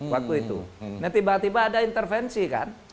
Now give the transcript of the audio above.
nah tiba tiba ada intervensi kan